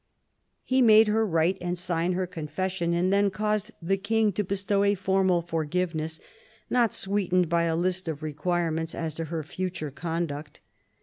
He made her write and sign her confession, and then caused the King to bestow a formal forgiveness, not sweetened by a list of requirements as to her future conduct.